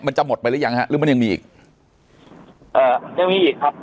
มันจะหมดไปหรือยังฮะหรือมันยังมีอีกเอ่อยังมีอีกครับ